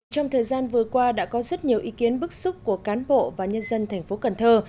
trong thời gian vừa qua đã có rất nhiều ý kiến bức xúc của cán bộ và nhân dân thành phố cần thơ